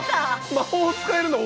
魔法使えるの？